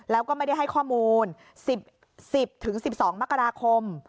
แล้วก็ไม่ได้ให้ข้อมูล๑๐๑๒มกราคม